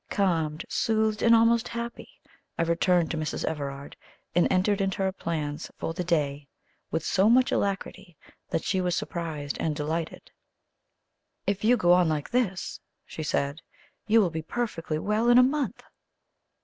Calmed, soothed and almost happy, I returned to Mrs. Everard, and entered into her plans for the day with so much alacrity that she was surprised and delighted. "If you go on like this," she said, "you will be perfectly well in a month."